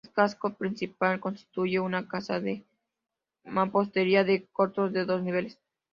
El casco principal constituye una casa de mampostería con arcos de dos niveles.